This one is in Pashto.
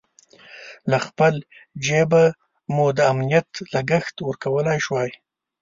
له خپل جېبه مو د امنیت لګښت ورکولای شوای.